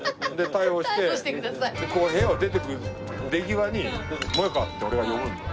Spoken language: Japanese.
逮捕してこう部屋を出ていく出際に「モエカ！！」って俺が呼ぶんだよ。